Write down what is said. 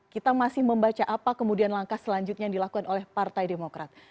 kita masih membaca apa kemudian langkah selanjutnya yang dilakukan oleh partai demokrat